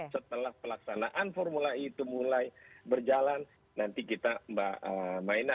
setelah pelaksanaan formula e itu mulai berjalan nanti kita mbak maina